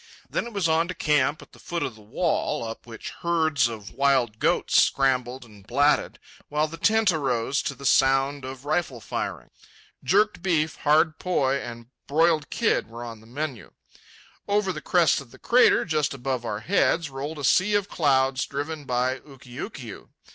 Then it was on to camp at the foot of the wall, up which herds of wild goats scrambled and blatted, while the tent arose to the sound of rifle firing. Jerked beef, hard poi, and broiled kid were the menu. Over the crest of the crater, just above our heads, rolled a sea of clouds, driven on by Ukiukiu.